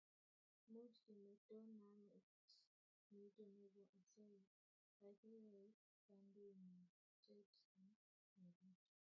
Much kemeto namet nitok nebo asoya akeyai kandoinantet ne magat